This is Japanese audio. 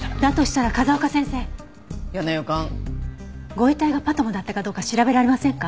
ご遺体がＰＡＴＭだったかどうか調べられませんか？